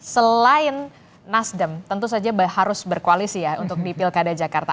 selain nasdim tentu saja harus berkoalisi ya untuk bipil kada jakarta